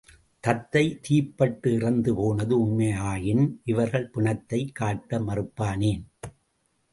தத்தை தீப்பட்டு இறந்து போனது உண்மையாயின் இவர்கள் பிணத்தைக் காட்ட மறுப்பானேன்?